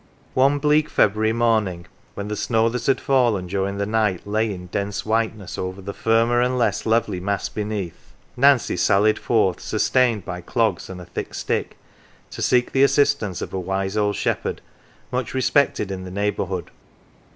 One bleak February morning, when the snow that had fallen during the night lay in dense whiteness over the firmer and less lovely mass beneath, Nancy sallied forth, sustained by clogs and a thick stick, to seek the assistance of a wise old shepherd much respected in the neighbourhood.